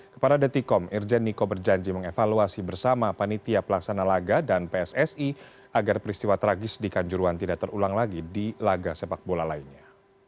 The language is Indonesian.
kepada detikom irjen niko berjanji mengevaluasi bersama panitia pelaksana laga dan pssi agar peristiwa tragis di kanjuruan tidak terulang lagi di laga sepak bola lainnya